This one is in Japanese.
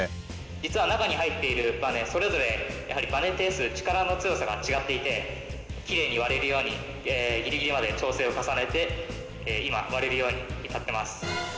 実は中に入っているばねそれぞればね定数力の強さが違っていてキレイに割れるようにギリギリまで調整を重ねて今割れるように至っています。